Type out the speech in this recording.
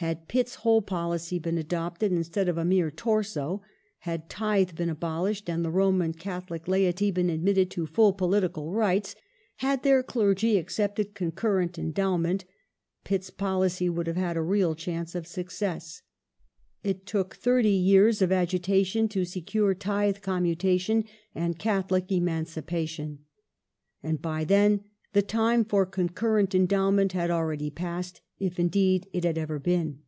Had Pitt's whole policy been adopted, instead of a mere torso ; had tithe been abolished ; had the Roman Catholic laity been admitted to full political rights ; had their clergy accepted concurrent endowment, Pitt's policy would have had a real chance of success. It took thirty yeai*s of agitation to secure tithe commutation and Catholic emancipation, and by then the time for concurrent endowment had already passed, if indeed it had ever been.